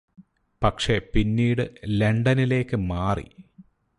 പക്ഷേ പിന്നീട് ലണ്ടനിലേക്ക് മാറി